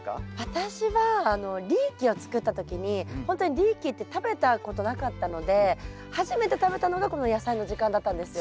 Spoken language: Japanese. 私はリーキを作った時にほんとにリーキって食べたことなかったので初めて食べたのがこの「やさいの時間」だったんですよ。